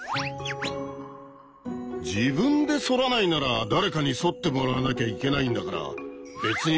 自分でそらないなら誰かにそってもらわなきゃいけないんだからそうね。